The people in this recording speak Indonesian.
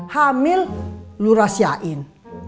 hamil lu rahasiain